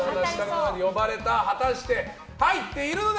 果たして、入っているのか。